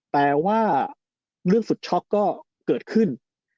แต่ว่าเรื่องสุดช็อกก็เกิดขึ้น